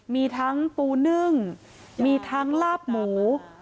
มีทั้งปูนึ่งมีทั้งลาบหมู